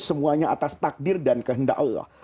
semuanya atas takdir dan kehendak allah